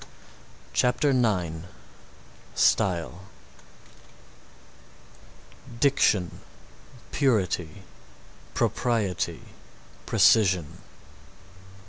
CHAPTER IX STYLE Diction Purity Propriety Precision.